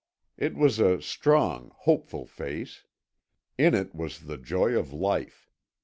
It was a strong, hopeful face. In it was the joy of life.